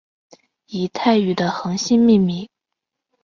以泰语的恒星命名。